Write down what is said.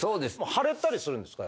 腫れたりするんですか？